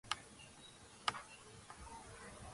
გალობისას ხშირად იქნევს მათ.